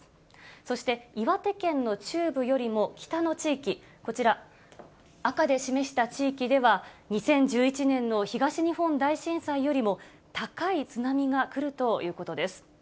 そして、岩手県の中部よりも北の地域、こちら、赤で示した地域では、２０１１年の東日本大震災よりも高い津波が来るということです。